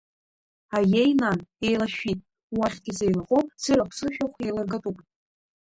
Аиеи, нан, еилашәшәит, уахьгьы сеилахоуп, сырахә-сышәахә еилыргатәуп…